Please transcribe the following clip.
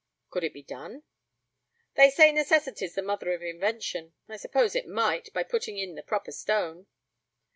"Could it be done?" "They say Necessity's the mother of Invention. I suppose it might, by putting in the proper stone."